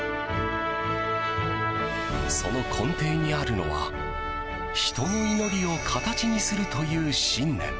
その根底にあるのは人の祈りを形にするという信念。